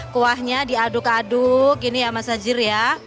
kuahnya diaduk aduk ini ya mas najir ya